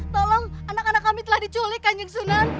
tolong anak anak kami telah diculik kanjeng sunan